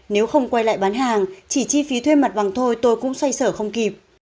nếu không quay lại bán hàng chỉ chi phí thuê mặt bằng thôi tôi cũng xoay sở không kịp